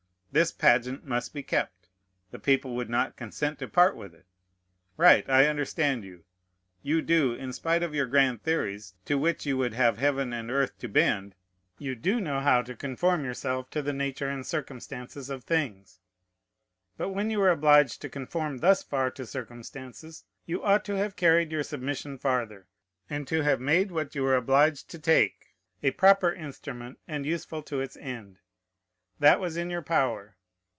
This pageant must be kept. The people would not consent to part with it. Right: I understand you. You do, in spite of your grand theories, to which you would have heaven and earth to bend, you do know how to conform yourselves to the nature and circumstances of things. But when you were obliged to conform thus far to circumstances, you ought to have carried your submission farther, and to have made, what you were obliged to take, a proper instrument, and useful to its end. That was in your power.